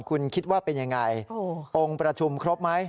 คุณคิดว่าเป็นยังไงองค์ประชุมครบไหม